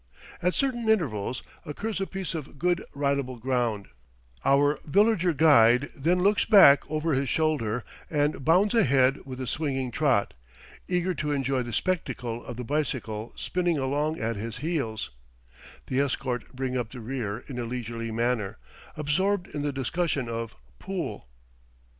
At certain intervals occurs a piece of good ridable ground; our villager guide then looks back over his shoulder and bounds ahead with a swinging trot, eager to enjoy the spectacle of the bicycle spinning along at his heels; the escort bring up the rear in a leisurely manner, absorbed in the discussion of "pool."